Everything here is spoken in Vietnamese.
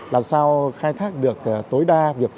làm sao khai thác được các công an thành phố